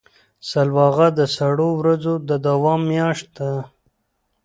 سلواغه د سړو ورځو د دوام میاشت ده.